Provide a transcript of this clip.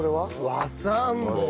和三盆。